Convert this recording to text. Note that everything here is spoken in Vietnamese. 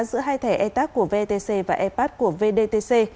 giữa hai thẻ etag của vtc và epud của vdtc